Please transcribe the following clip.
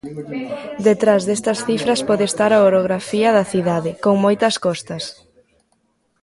Detrás destas cifras pode estar a orografía da cidade, con moitas costas.